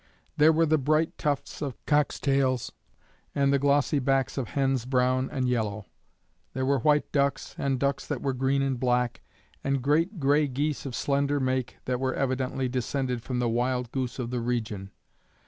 There were the bright tufts of cocks' tails and the glossy backs of hens brown and yellow; there were white ducks, and ducks that were green and black, and great gray geese of slender make that were evidently descended from the wild goose of the region.